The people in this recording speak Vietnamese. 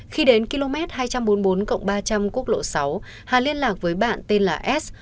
khi đến km hai trăm bốn mươi bốn ba trăm linh quốc lộ sáu hà liên lạc với bạn tên là s